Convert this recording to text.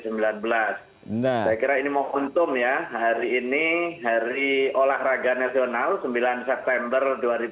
saya kira ini momentum ya hari ini hari olahraga nasional sembilan september dua ribu dua puluh